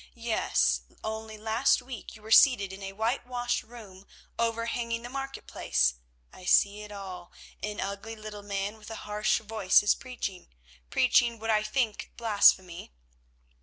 Yes, only last week you were seated in a whitewashed room overhanging the market place. I see it all—an ugly little man with a harsh voice is preaching, preaching what I think blasphemy.